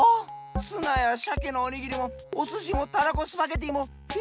ツナやシャケのおにぎりもおすしもたらこスパゲッティもフィッシュバーガーも！